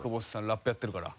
ラップやってるから。